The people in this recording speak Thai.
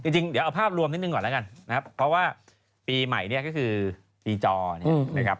จริงเดี๋ยวเอาภาพรวมนิดหนึ่งก่อนแล้วกันนะครับเพราะว่าปีใหม่เนี่ยก็คือปีจอเนี่ยนะครับ